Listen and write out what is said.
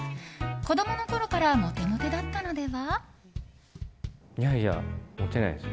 子供のころからモテモテだったのでは？